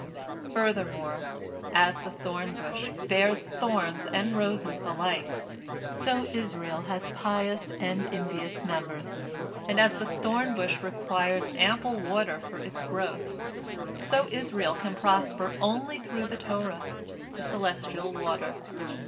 Furthermore, as the thorn bush bears thorns and roses alike, so Israel has pious and impious members, and as the thorn bush requires ample water for its growth, so Israel can prosper only through the Torah, the celestial water.